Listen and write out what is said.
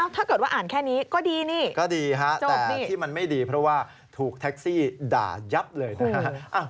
ถ้าเกิดว่าอ่านแค่นี้ก็ดีนี่ก็ดีฮะแต่ที่มันไม่ดีเพราะว่าถูกแท็กซี่ด่ายับเลยนะฮะ